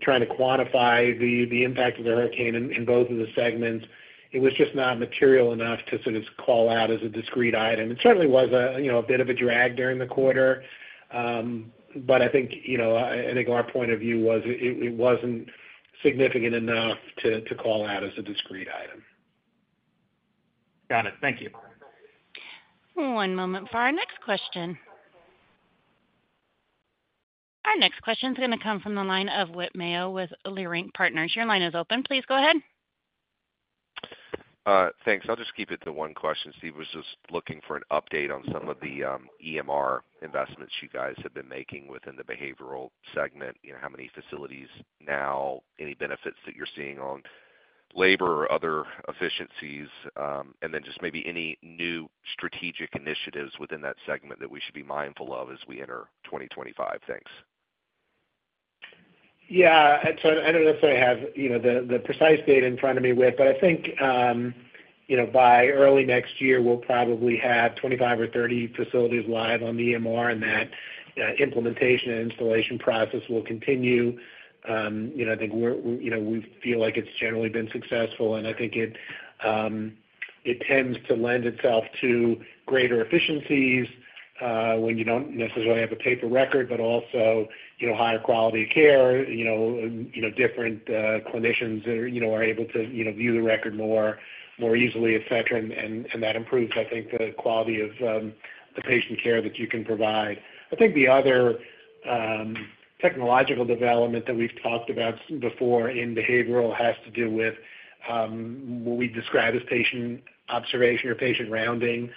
trying to quantify the impact of the hurricane in both of the segments, it was just not material enough to sort of call out as a discrete item. It certainly was a, you know, a bit of a drag during the quarter, but I think, you know, I think our point of view was it wasn't significant enough to call out as a discrete item. Got it. Thank you. One moment for our next question. Our next question is going to come from the line of Whit Mayo with Leerink Partners. Your line is open. Please go ahead. ... Thanks. I'll just keep it to one question. Steve, was just looking for an update on some of the EMR investments you guys have been making within the behavioral segment. You know, how many facilities now, any benefits that you're seeing on labor or other efficiencies, and then just maybe any new strategic initiatives within that segment that we should be mindful of as we enter 2025? Thanks. Yeah, so I don't necessarily have, you know, the precise data in front of me with, but I think, you know, by early next year, we'll probably have 25 or 30 facilities live on the EMR, and that implementation and installation process will continue. You know, I think we're, you know, we feel like it's generally been successful, and I think it, it tends to lend itself to greater efficiencies, when you don't necessarily have a paper record, but also, you know, higher quality care, you know, different clinicians that are, you know, are able to, you know, view the record more easily, et cetera. And that improves, I think, the quality of the patient care that you can provide. I think the other technological development that we've talked about before in behavioral has to do with what we describe as patient observation or patient rounding.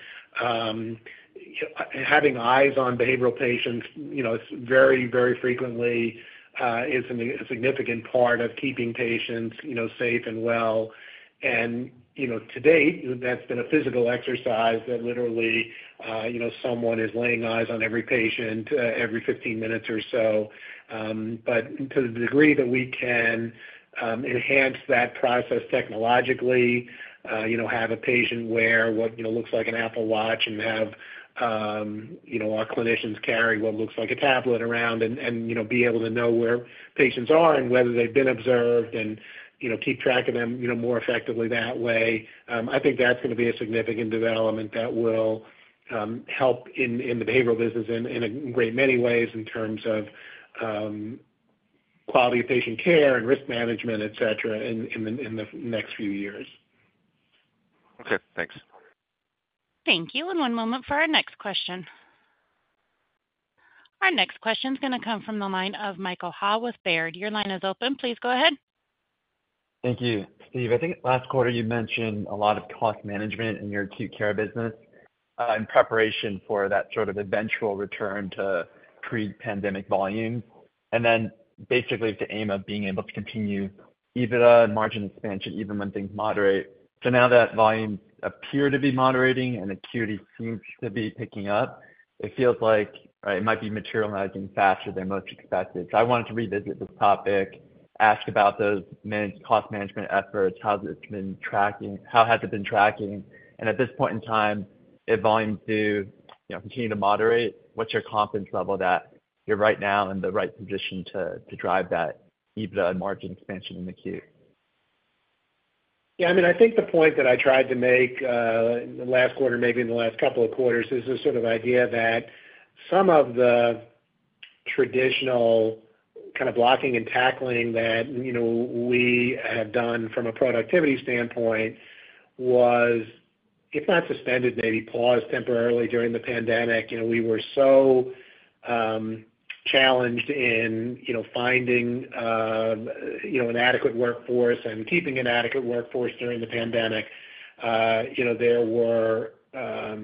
Having eyes on behavioral patients, you know, very, very frequently, is a significant part of keeping patients, you know, safe and well. And, you know, to date, that's been a physical exercise that literally, you know, someone is laying eyes on every patient every 15 minutes or so. But to the degree that we can enhance that process technologically, you know, have a patient wear what, you know, looks like an Apple Watch and have you know, our clinicians carry what looks like a tablet around and you know, be able to know where patients are and whether they've been observed and, you know, keep track of them, you know, more effectively that way. I think that's gonna be a significant development that will help in the behavioral business in a great many ways in terms of quality of patient care and risk management, et cetera, in the next few years. Okay, thanks. Thank you. And one moment for our next question. Our next question is gonna come from the line of Michael Ha with Baird. Your line is open. Please go ahead. Thank you. Steve, I think last quarter you mentioned a lot of cost management in your acute care business in preparation for that sort of eventual return to pre-pandemic volume, and then basically the aim of being able to continue EBITDA and margin expansion, even when things moderate. So now that volumes appear to be moderating and acuity seems to be picking up, it feels like it might be materializing faster than most expected. So I wanted to revisit this topic, ask about those cost management efforts, how has it been tracking? And at this point in time, if volumes do, you know, continue to moderate, what's your confidence level that you're right now in the right position to drive that EBITDA and margin expansion in the Q? Yeah, I mean, I think the point that I tried to make last quarter, maybe in the last couple of quarters, is this sort of idea that some of the traditional kind of blocking and tackling that, you know, we have done from a productivity standpoint was, if not suspended, maybe paused temporarily during the pandemic. You know, we were so challenged in, you know, finding an adequate workforce and keeping an adequate workforce during the pandemic. You know, there was a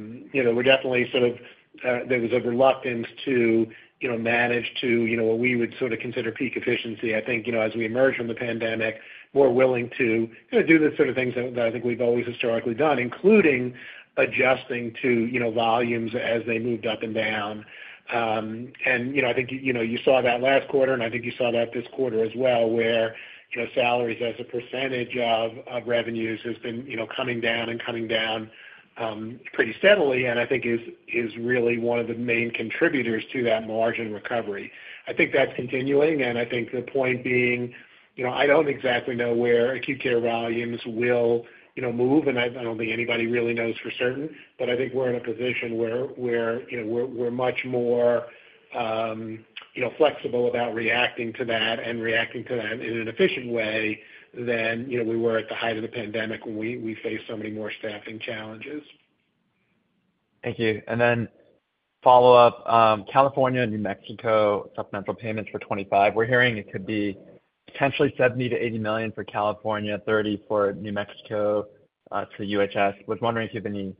reluctance to, you know, manage to, you know, what we would sort of consider peak efficiency. I think, you know, as we emerge from the pandemic, we're willing to, you know, do the sort of things that I think we've always historically done, including adjusting to, you know, volumes as they moved up and down, and you know, I think, you know, you saw that last quarter, and I think you saw that this quarter as well, where, you know, salaries as a percentage of revenues has been, you know, coming down pretty steadily, and I think is really one of the main contributors to that margin recovery. I think that's continuing, and I think the point being, you know, I don't exactly know where acute care volumes will, you know, move, and I don't think anybody really knows for certain. But I think we're in a position where we're, you know, much more, you know, flexible about reacting to that in an efficient way than, you know, we were at the height of the pandemic, when we faced so many more staffing challenges. Thank you. And then follow up, California, New Mexico, Supplemental Payments for 2025. We're hearing it could be potentially $70 million-$80 million for California, $30 million for New Mexico, to UHS. Was wondering if you have any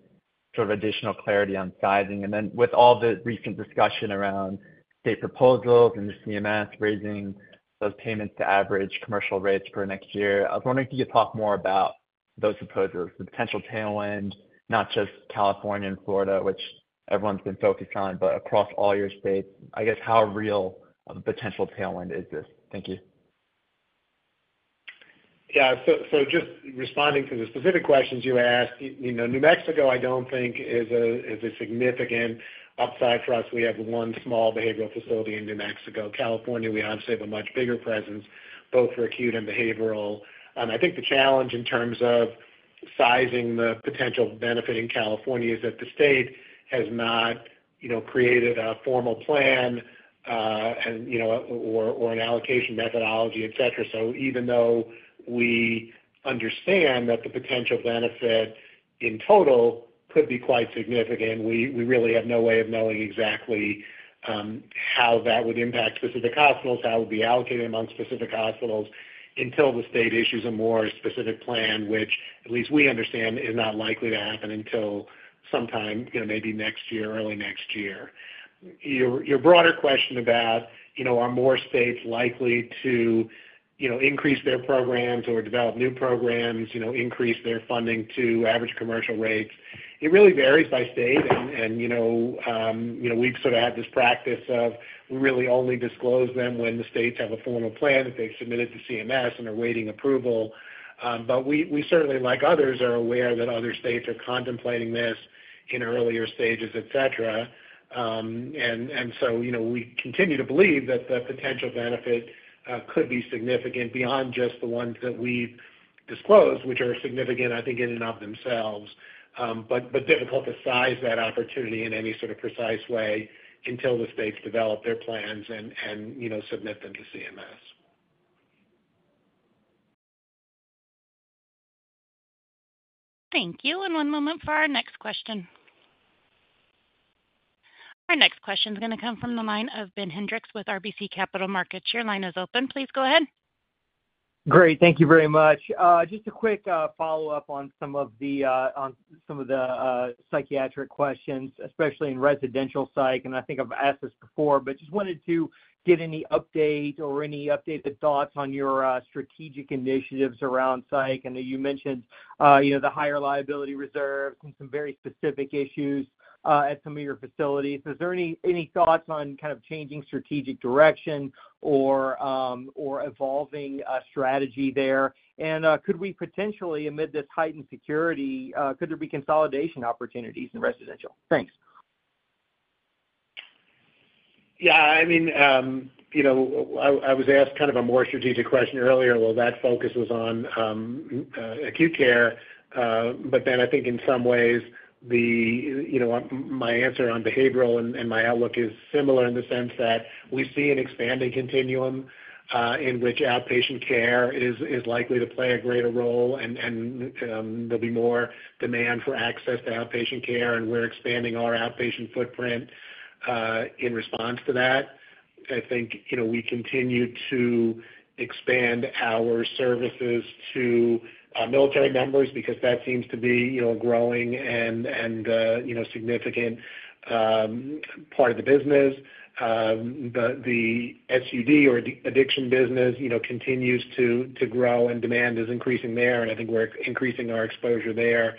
sort of additional clarity on sizing. And then with all the recent discussion around state proposals and the CMS raising those payments to average commercial rates for next year, I was wondering if you could talk more about those proposals, the potential tailwind, not just California and Florida, which everyone's been focused on, but across all your states. I guess, how real of a potential tailwind is this? Thank you. Yeah. So, so just responding to the specific questions you asked. You know, New Mexico, I don't think is a significant upside for us. We have one small behavioral facility in New Mexico. California, we obviously have a much bigger presence, both for acute and behavioral. I think the challenge in terms of sizing the potential benefit in California is that the state has not, you know, created a formal plan, and, you know, or an allocation methodology, et cetera. So even though we understand that the potential benefit in total could be quite significant. We really have no way of knowing exactly how that would impact specific hospitals, how it would be allocated among specific hospitals, until the state issues a more specific plan, which, at least we understand, is not likely to happen until sometime, you know, maybe next year, early next year. Your broader question about, you know, are more states likely to, you know, increase their programs or develop new programs, you know, increase their funding to average commercial rates, it really varies by state, and, you know, we've sort of had this practice of we really only disclose them when the states have a formal plan that they've submitted to CMS and are awaiting approval, but we certainly, like others, are aware that other states are contemplating this in earlier stages, et cetera. And so, you know, we continue to believe that the potential benefit could be significant beyond just the ones that we've disclosed, which are significant, I think, in and of themselves. But difficult to size that opportunity in any sort of precise way until the states develop their plans and, you know, submit them to CMS. Thank you, and one moment for our next question. Our next question is gonna come from the line of Ben Hendrix with RBC Capital Markets. Your line is open. Please go ahead. Great. Thank you very much. Just a quick follow-up on some of the psychiatric questions, especially in residential psych, and I think I've asked this before, but just wanted to get any update or any updated thoughts on your strategic initiatives around psych. I know you mentioned, you know, the higher liability reserves and some very specific issues at some of your facilities. Is there any thoughts on kind of changing strategic direction or evolving strategy there? And could we potentially, amid this heightened security, could there be consolidation opportunities in residential? Thanks. Yeah, I mean, you know, I was asked kind of a more strategic question earlier. Well, that focus was on acute care. But then I think in some ways, you know, my answer on behavioral and my outlook is similar in the sense that we see an expanding continuum in which outpatient care is likely to play a greater role, and there'll be more demand for access to outpatient care, and we're expanding our outpatient footprint in response to that. I think, you know, we continue to expand our services to military members because that seems to be, you know, growing and you know, significant part of the business. The SUD or addiction business, you know, continues to grow, and demand is increasing there, and I think we're increasing our exposure there.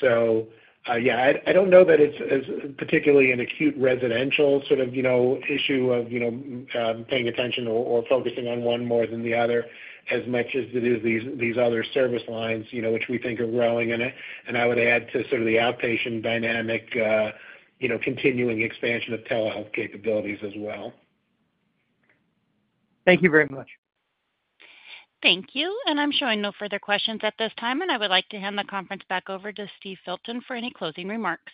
So, I don't know that it's particularly an acute residential sort of, you know, issue of, you know, paying attention or focusing on one more than the other, as much as it is these other service lines, you know, which we think are growing. And I would add to sort of the outpatient dynamic, you know, continuing expansion of telehealth capabilities as well. Thank you very much. Thank you. I'm showing no further questions at this time, and I would like to hand the conference back over to Steve Filton for any closing remarks.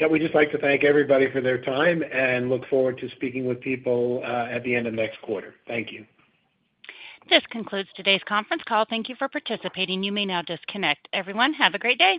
Yeah, we'd just like to thank everybody for their time and look forward to speaking with people at the end of next quarter. Thank you. This concludes today's conference call. Thank you for participating. You may now disconnect. Everyone, have a great day.